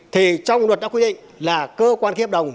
thì trong luật đã quy định là cơ quan khiếp đồng